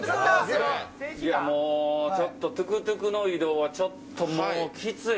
いや、もうちょっとトゥクトゥクの移動はちょっともうきつい。